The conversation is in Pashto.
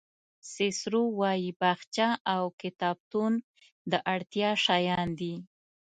سیسرو وایي باغچه او کتابتون د اړتیا شیان دي.